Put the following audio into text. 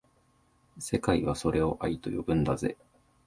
世界はそれを愛と呼ぶんだぜ